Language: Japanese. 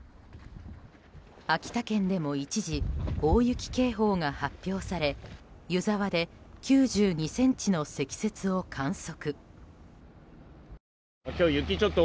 秋田県でも一時、大雪警報が発表され湯沢で９２ｃｍの積雪を観測。